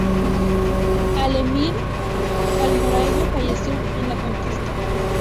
El emir almorávide falleció en la conquista.